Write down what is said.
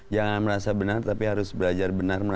jangan merasa benar tapi harus belajar pintar merasa